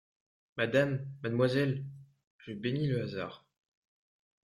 Madame !… mademoiselle !… je bénis le hasard…